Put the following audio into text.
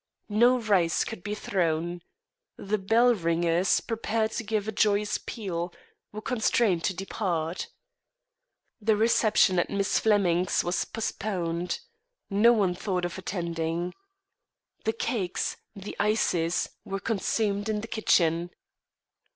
No rice could be thrown. The bell ringers, prepared to give a joyous peal, were constrained to depart. The reception at Miss Flemming's was postponed. No one thought of attending. The cakes, the ices, were consumed in the kitchen.